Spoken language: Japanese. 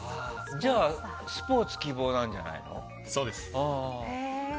じゃあスポーツ希望なんじゃないの？